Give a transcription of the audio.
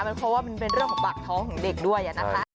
เพราะว่ามันเป็นเรื่องของปากท้องของเด็กด้วยนะคะ